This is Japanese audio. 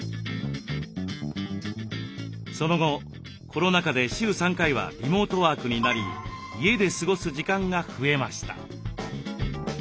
その後コロナ禍で週３回はリモートワークになり家で過ごす時間が増えました。